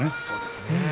そうですね。